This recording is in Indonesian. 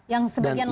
yang sebagian lain